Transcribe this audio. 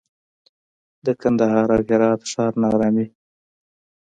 د کندهار او هرات ښار ناارامي